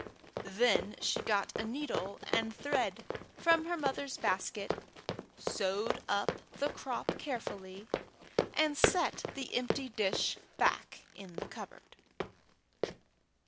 Then she got a needle and thread from her mother's basket, sewed up the crop carefully, and set the empty dish back in the cupboard.